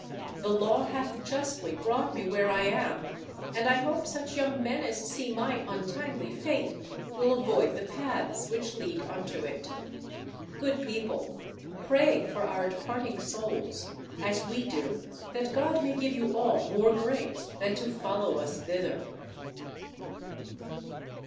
The Law hath justly brought me where I am, and I hope such young men as see my untimely fate will avoid the paths which lead unto it. Good people, pray for our departing souls, as we do, that God may give you all more grace than to follow us thither.